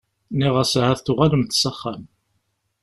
Nniɣ-as ahat tuɣalemt s axxam.